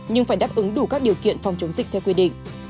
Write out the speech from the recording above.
nhưng phải đáp ứng đủ các điều kiện phòng chống dịch theo quy định